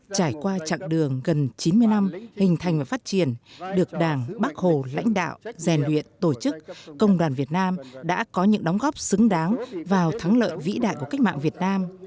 trải qua chặng đường gần chín mươi năm hình thành và phát triển được đảng bác hồ lãnh đạo rèn luyện tổ chức công đoàn việt nam đã có những đóng góp xứng đáng vào thắng lợi vĩ đại của cách mạng việt nam